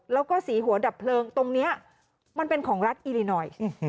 แล้วก็สีหัวดับเพลิงตรงนี้มันเป็นของรัฐอิรินอย